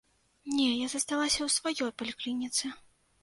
Не, я засталася ў сваёй паліклініцы.